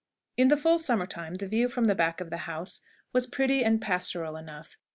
In the full summer time, the view from the back of the house was pretty and pastoral enough.